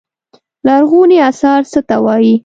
لرغوني اثار څه ته وايي.